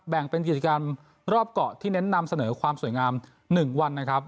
เป็นกิจกรรมรอบเกาะที่เน้นนำเสนอความสวยงาม๑วันนะครับ